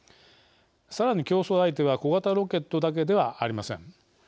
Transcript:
さらに競争相手は小型ロケットだけではありません。